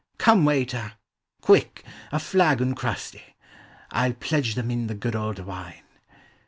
Come, waiter! quick, a fiagon crusty — I ?11 pledge them in the good old wine.